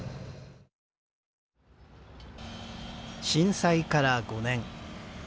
震災から５年。